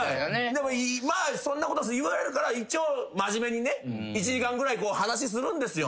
でもそんなこと言われるから一応真面目にね１時間ぐらい話するんですよ。